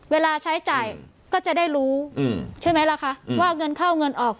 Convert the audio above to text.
เวลาใช้จ่ายก็จะได้รู้ใช่ไหมล่ะคะว่าเงินเข้าเงินออก